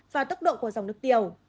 và tốc độ của dòng nước tiểu